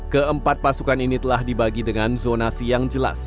keempat pasukan ini telah dibagi dengan zonasi yang jelas